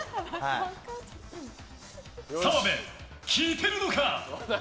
澤部、聞いてるのか！